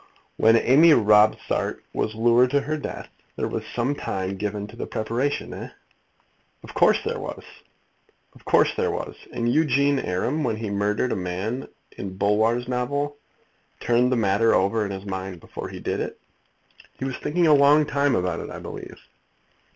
"When Amy Robsart was lured to her death, there was some time given to the preparation, eh?" "Of course there was." "Of course there was. And Eugene Aram, when he murdered a man in Bulwer's novel, turned the matter over in his mind before he did it?" "He was thinking a long time about it, I believe."